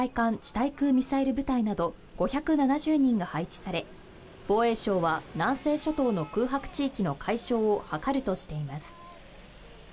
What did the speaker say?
対空ミサイル部隊など５７０人が配置され防衛省は南西諸島の空白地域の解消を図るとしています。